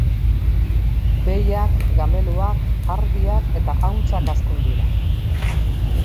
Behiak, gameluak, ardiak eta ahuntzak hazten dira.